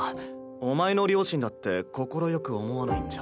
お前の両親だって快く思わないんじゃ。